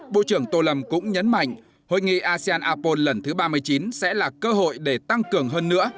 bộ trưởng tô lâm cũng nhấn mạnh hội nghị asean apol lần thứ ba mươi chín sẽ là cơ hội để tăng cường hơn nữa